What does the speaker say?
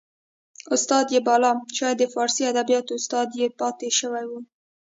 استاد یې باله شاید د فارسي ادبیاتو استاد یې پاته شوی و